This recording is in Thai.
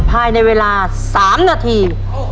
ภายในเวลา๓นาที